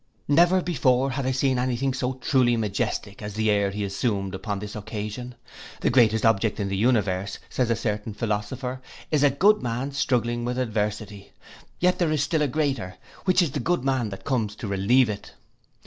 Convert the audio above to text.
Never before had I seen any thing so truly majestic as the air he assumed upon this occasion. The greatest object in the universe, says a certain philosopher, is a good man struggling with adversity; yet there is still a greater, which is the good man that comes to relieve it.